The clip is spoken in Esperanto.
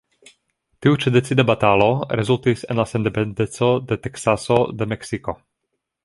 Tiu ĉi decida batalo rezultis en la sendependeco de Teksaso de Meksiko.